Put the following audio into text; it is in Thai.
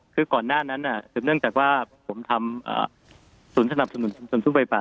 คือก่อนหน้านั้นสืบเนื่องจากว่าผมทำศูนย์สนับสนุนชุมชนสู้ไฟป่า